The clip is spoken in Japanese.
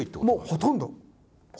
もうほとんど！